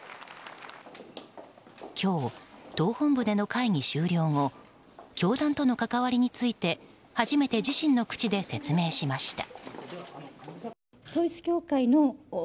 今日、党本部での会議終了後教団との関わりについて初めて自身の口で説明しました。